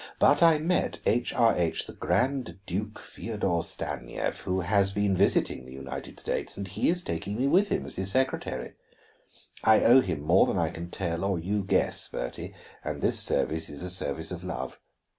But I met H. R. H. the Grand Duke Feodor Stanief, who has been visiting the United States, and he is taking me with him as his secretary. I owe him more than I can tell, or you guess, Bertie; and this service is a service of love.